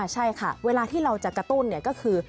ใช่ค่ะเวลาที่เราจะกระตุ้นก็คือ